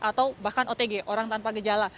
atau bahkan otg orang tanpa gejala